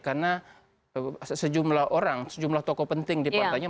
karena sejumlah orang sejumlah tokoh penting di pantai nya